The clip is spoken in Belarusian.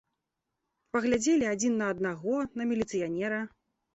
Паглядзелі адзін на аднаго, на міліцыянера.